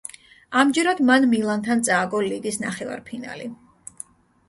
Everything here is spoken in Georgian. ამჯერად მან მილანთან წააგო ლიგის ნახევარფინალი.